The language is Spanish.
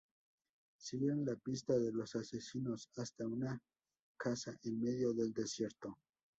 Siguen la pista de los asesinos hasta un casa en medio del desierto.